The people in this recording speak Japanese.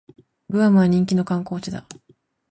グアムは人気の観光地だ